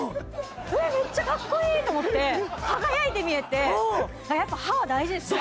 「えっメッチャかっこいい！」と思って輝いて見えてやっぱ歯は大事ですね